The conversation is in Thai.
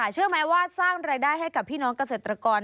เชื่อไหมว่าสร้างรายได้ให้กับพี่น้องเกษตรกร